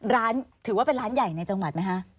ร้านถือว่าเป็นร้านใหญ่ในจังหวัดไหมคะ